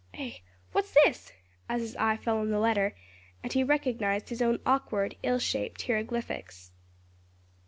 "Eh! what's this?" as his eye fell on the letter and he recognized his own awkward, ill shaped hieroglyphics.